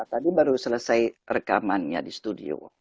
tadi baru selesai rekamannya di studio